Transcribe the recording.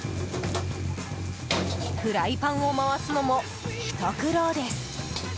フライパンを回すのもひと苦労です。